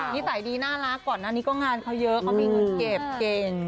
นิสัยดีน่ารักก่อนหน้านี้ก็งานเขาเยอะเขามีเงินเก็บเก่ง